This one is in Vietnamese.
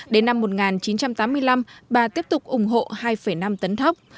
đến năm một nghìn chín trăm tám mươi năm bà tiếp tục ủng hộ hai năm tấn thóc